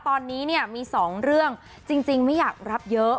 ตอนนี้เนี่ยมี๒เรื่องจริงไม่อยากรับเยอะ